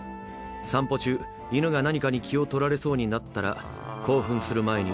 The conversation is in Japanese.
散歩中犬が何かに気を取られそうになったら興奮する前に。